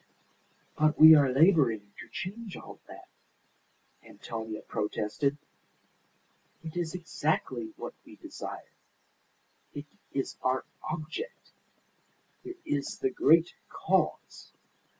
"But we are labouring to change all that," Antonia protested. "It is exactly what we desire. It is our object. It is the great cause.